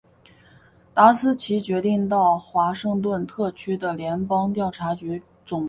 达斯奇决定到华盛顿特区的联邦调查局总部自首。